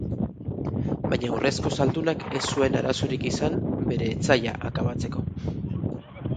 Baina urrezko zaldunak ez zuen arazorik izan bere etsaia akabatzeko.